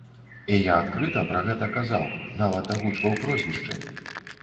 І я адкрыта пра гэта казаў, нават агучваў прозвішчы.